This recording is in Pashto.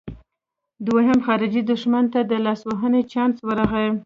دویم خارجي دښمن ته د لاسوهنې چانس ورغلی.